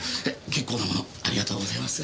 結構な物ありがとうございます。